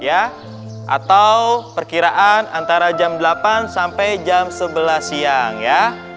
atau perkiraan antara jam delapan sampai jam sebelas siang ya